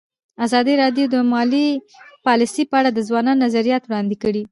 ازادي راډیو د مالي پالیسي په اړه د ځوانانو نظریات وړاندې کړي.